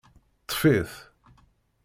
Ṭṭef-it!